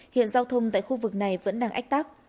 hiện giao thông tại khu vực này vẫn đang ách tắc